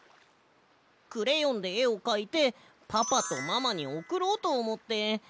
クレヨンでえをかいてパパとママにおくろうとおもって。